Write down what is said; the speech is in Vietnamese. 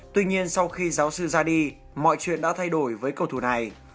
tuy nhiên sau khi giáo sư ra đi mọi chuyện đã thay đổi với cầu thủ này